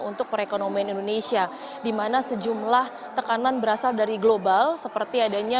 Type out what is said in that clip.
untuk perekonomian indonesia dimana sejumlah tekanan berasal dari global seperti adanya